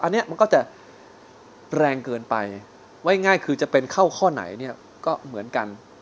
อันนี้มันก็จะแรงเกินไปไว้ง่ายคือจะเป็นเข้าข้อไหนเนี่ยก็เหมือนกัน